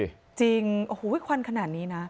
ถ้าไม่บอกจริงขวันขนาดนี้นะ